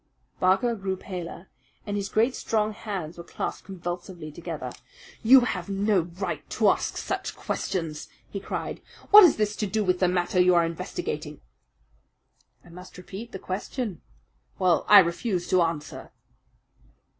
Barker grew paler, and his great, strong hands were clasped convulsively together. "You have no right to ask such questions!" he cried. "What has this to do with the matter you are investigating?" "I must repeat the question." "Well, I refuse to answer."